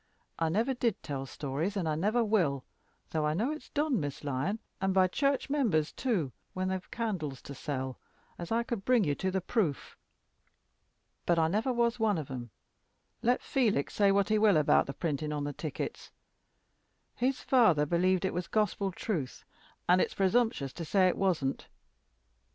I never did tell stories, and I never will though I know it's done, Miss Lyon, and by church members too, when they have candles to sell, as I could bring you to the proof. But I never was one of 'em, let Felix say what he will about the printing on the tickets. His father believed it was gospel truth, and it's presumptuous to say it wasn't.